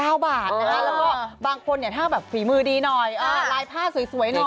แล้วก็บางคนเนี่ยถ้าแบบฝีมือดีหน่อยลายผ้าสวยหน่อย